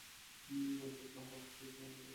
চোখ বাঁধা অবস্থায় সে অন্যদের ধরার চেষ্টা করে।